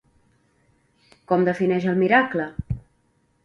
Com defineix el miracle?